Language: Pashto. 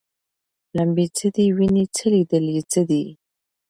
لمبې څه دي ویني څه لیدل یې څه دي